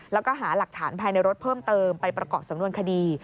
แล้วก็หาหลักฐานภายในรถเพิ่มเติมไปประกอบสำนวนคดี